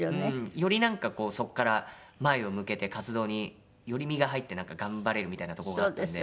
よりなんかこうそこから前を向けて活動により身が入って頑張れるみたいなとこがあったんで。